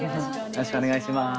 よろしくお願いします。